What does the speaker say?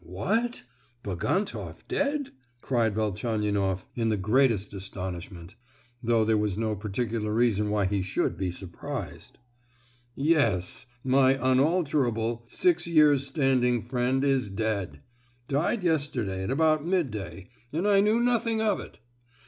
"What! Bagantoff dead?" cried Velchaninoff, in the greatest astonishment; though there was no particular reason why he should be surprised. "Yes—my unalterable—six years standing friend is dead!—died yesterday at about mid day, and I knew nothing of it!